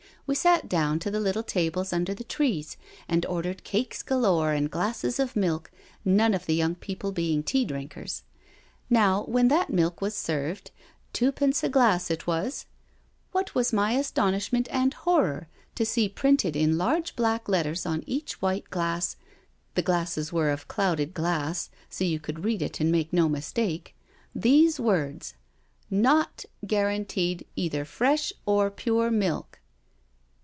We sat down to the little tables under the trees and ordered cakes galore and glasses of milk, none of the young people being tea drinkers. Now when that milk was served — twopence a glass it was — ^what was my astonish ment and horror to see printed in large black letters on each white glass — the glasses were of clouded glass, so you could read it and make no mistake — these words, *Noi guaranteed either fresh or pure milk.'